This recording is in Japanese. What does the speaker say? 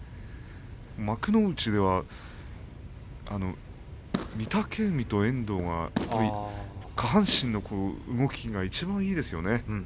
幕内では御嶽海と遠藤が下半身の動きがいちばんいいですよね。